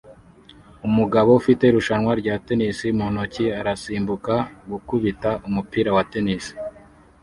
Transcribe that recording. Umugabo ufite irushanwa rya tennis mu ntoki arasimbuka gukubita umupira wa tennis